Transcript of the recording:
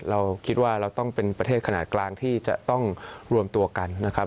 เราคิดว่าเราต้องเป็นประเทศขนาดกลางที่จะต้องรวมตัวกันนะครับ